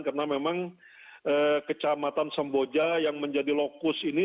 karena memang kecamatan semboja yang menjadi lokus ini